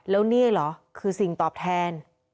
แล้วนี่เหรอคือสิ่งตอบแทน